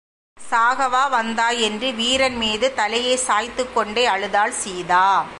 சாகவா வந்தாய்? என்று வீரன்மீது தலையைச் சாய்த்துக் கொண்டே அழுதாள் சீதா.